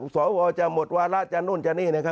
สวจะหมดวาระจะนู่นจะนี่